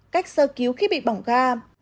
cách sơ cứu khi bị bỏng ga